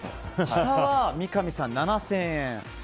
下は三上さん、７０００円。